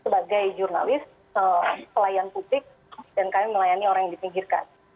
sebagai jurnalis pelayan publik dan kami melayani orang yang dipinggirkan